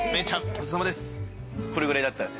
ごちそうさまです。